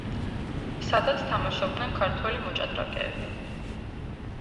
სადაც თამაშობდნენ ქართველი მოჭადრაკეები.